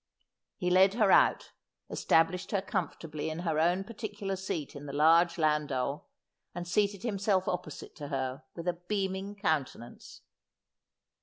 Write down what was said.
He led her out, established her comfortably in her own par ticular seat in the large landau, and seated himself opposite to her with a beaming countenance.